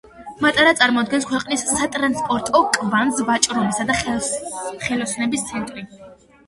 მატარა წარმოადგენს ქვეყნის სატრანსპორტო კვანძს, ვაჭრობისა და ხელოსნობის ცენტრი.